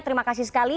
terima kasih sekali